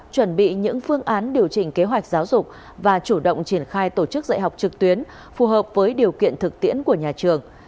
chuẩn bị những phương án điều chỉnh kế hoạch giáo dục và chủ động triển khai tổ chức dạy học trực tuyến phù hợp với điều kiện thực tiễn của nhà trường